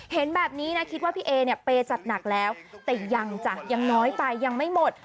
เห็นแบบนี้นะคิดว่าพี่เอเนี่ยเปย์จัดหนักแล้วแต่ยังจ้ะยังน้อยไปยังไม่หมด